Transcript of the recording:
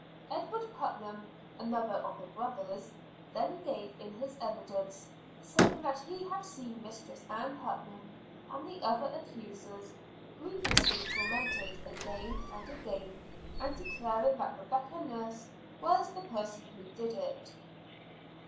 Edward Putnam (another of the brothers) then gave in his evidence, saying that he had seen Mistress Ann Putnam, and the other accusers, grievously tormented again and again, and declaring that Rebecca Nurse was the person who did it.